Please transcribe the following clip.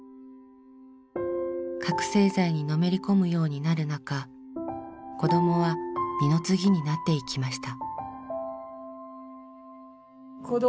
覚醒剤にのめり込むようになる中子どもは二の次になっていきました。